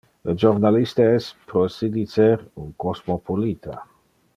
Le jornalista es, pro si dicer, un cosmopolita.